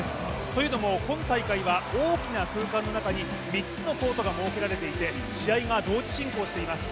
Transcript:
というのも今大会は大きな空間の中に３つのコートが設けられていて試合が同時進行しています。